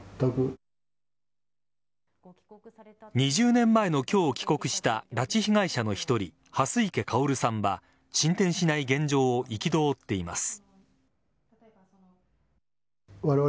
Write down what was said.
２０年前の今日帰国した拉致被害者の１人蓮池薫さんは進展しない現状を憤っています。